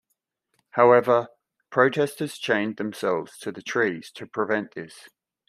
However, protesters chained themselves to the trees to prevent this.